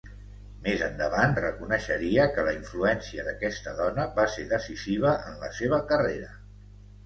Més endavant reconeixeria que la influència d’aquesta dona va ser decisiva en la seva carrera.